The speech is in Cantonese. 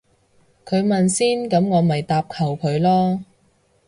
佢問先噉我咪答後佢咯